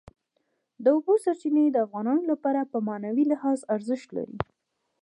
د اوبو سرچینې د افغانانو لپاره په معنوي لحاظ ارزښت لري.